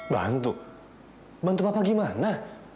bantu bantu papa gimana